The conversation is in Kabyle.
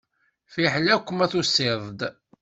Fiḥel akk ma tusiḍ-d.